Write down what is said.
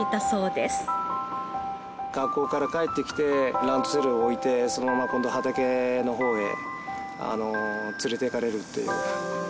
学校から帰ってきてランドセルを置いてそのまま今度畑の方へ連れて行かれるっていう。